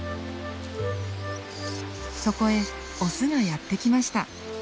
そこへオスがやってきました。